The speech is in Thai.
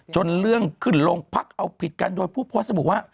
จนเรื่องขึ้นโรงพักเอาผิดกันโดยผู้โพสต์ระบุว่า